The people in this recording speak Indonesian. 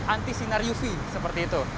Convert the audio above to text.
anti sinar uv seperti itu